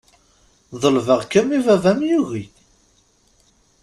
Ḍelbeɣ-kem i baba-m yugi.